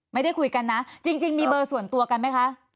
ไม่ได้คุยกันนะจริงมีเบอร์ส่วนตัวกันไหมคะ